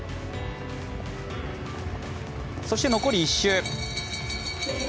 そして、残り１周。